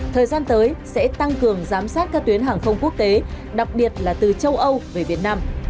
thời gian tới sẽ tăng cường giám sát các tuyến hàng không quốc tế đặc biệt là từ châu âu về việt nam